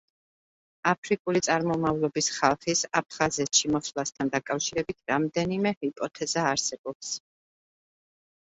აფრიკული წარმომავლობის ხალხის აფხაზეთში მოსვლასთან დაკავშირებით რამდენიმე ჰიპოთეზა არსებობს.